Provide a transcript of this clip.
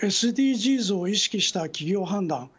ＳＤＧｓを意識した企業判断